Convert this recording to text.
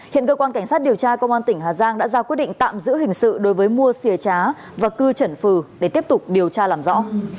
hiện cơ quan cảnh sát điều tra công an tỉnh hà giang đã ra quyết định tạm giữ hình sự đối với mua xìa trá và cư trần phừ để tiếp tục điều tra làm rõ